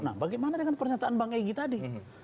nah bagaimana dengan pernyataan bang egy tadi